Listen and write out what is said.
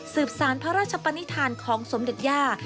สารพระราชปนิษฐานของสมเด็จย่า